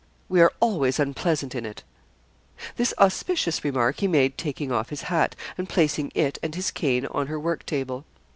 We are always unpleasant in it.' This auspicious remark he made taking off his hat, and placing it and his cane on her work table.